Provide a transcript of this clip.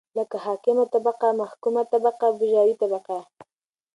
لکه حاکمه طبقه ،محکومه طبقه بوژوايي طبقه